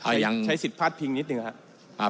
ยังใช้สิทธิ์พาดพิงนิดหนึ่งนะครับ